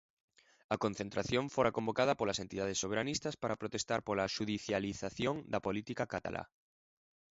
A concentración fora convocada polas entidades soberanistas para protestar pola xudicialización da política catalá.